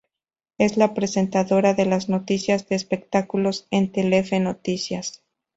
Es la presentadora de las noticias de espectáculos en Telefe Noticias.